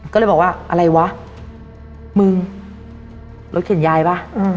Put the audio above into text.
ก็เลยบอกว่าอะไรวะมึงรถเข็นยายป่ะ